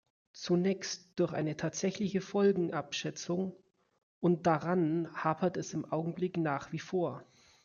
Zunächst durch eine tatsächliche Folgenabschätzung, und daran hapert es im Augenblick nach wie vor.